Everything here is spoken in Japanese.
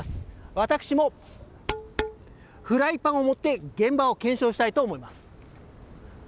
私もフライパンを持って現場を検証したいと思います。